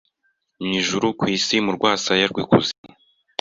Mu ijuru ku isi mu rwasaya rw'ikuzimu